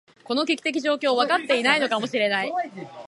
この危機的状況、分かっていないのかもしれない。